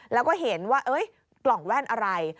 แล้วก็เห็นว่ากล่องแว่นอะไร